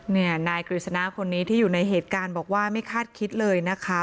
นายกฤษณะคนนี้ที่อยู่ในเหตุการณ์บอกว่าไม่คาดคิดเลยนะคะ